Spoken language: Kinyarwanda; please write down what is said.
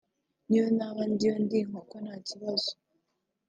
n’iyo naba ndiyo ndi inkoko nta kibazo